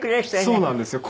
そうなんですよ。